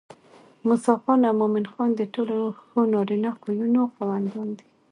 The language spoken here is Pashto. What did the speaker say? موسى خان او مومن خان د ټولو ښو نارينه خويونو خاوندان دي